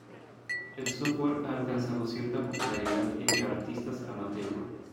El software ha alcanzado cierta popularidad entre artistas amateur.